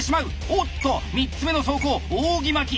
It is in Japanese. おっと３つ目の走行扇巻き。